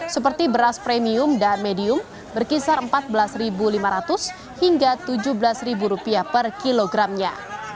seperti beras premium dan medium berkisar rp empat belas lima ratus hingga rp tujuh belas per kilogramnya